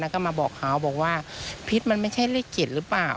แล้วก็มาบอกเขาบอกว่าพิษมันไม่ใช่เลข๗หรือเปล่า